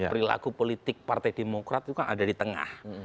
perilaku politik partai demokrat itu kan ada di tengah